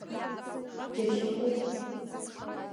Џьашьахәуп.